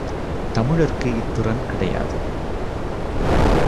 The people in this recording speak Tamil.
தமிழர்க்கு இத்திறன் கிடையாது.